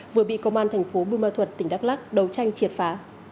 vừa bị công an thành phố bươm ma thuật tỉnh đắk lắc đấu tranh triệt phá